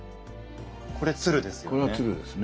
これ鶴ですよね。